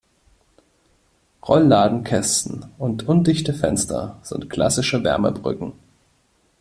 Rollladenkästen und undichte Fenster sind klassische Wärmebrücken.